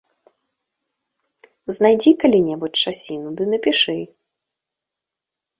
Знайдзі калі-небудзь часіну ды напішы.